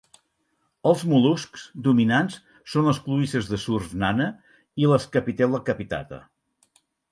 Els mol·luscs dominants són les cloïsses de surf nana i les "capitella capitata".